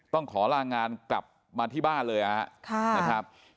ต้องขอลางานกลับมาที่บ้านเลยนะครับ